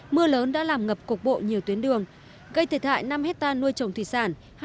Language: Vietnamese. mưa lớn đã làm ngập cục bộ nhiều tuyến đường gây thể thại năm hectare nuôi trồng thủy sản